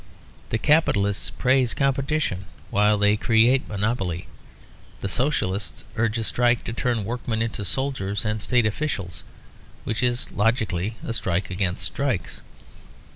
The Capitalists praise competition while they create monopoly; the Socialists urge a strike to turn workmen into soldiers and state officials; which is logically a strike against strikes.